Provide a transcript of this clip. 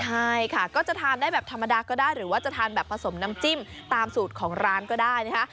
ใช่ค่ะก็จะทานได้แบบธรรมดาก็ได้หรือว่าจะทานแบบผสมน้ำจิ้มตามสูตรของร้านก็ได้นะคะ